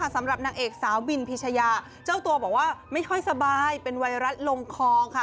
สำหรับนางเอกสาวบินพิชยาเจ้าตัวบอกว่าไม่ค่อยสบายเป็นไวรัสลงคลองค่ะ